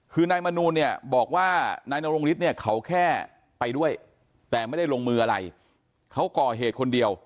คือนายมนูลเนี่ยบอกว่านายนรงฤทธิเนี่ยเขาแค่ไปด้วยแต่ไม่ได้ลงมืออะไรเขาก่อเหตุคนเดียว